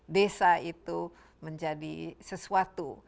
desa itu menjadi sesuatu